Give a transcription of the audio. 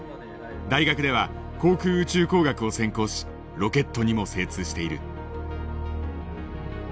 大学では航空宇宙工学を専攻しロケットにも精通している。